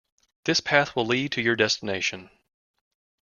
This path will lead you to your destination.